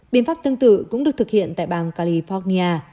biện pháp tương tự cũng được thực hiện tại bang california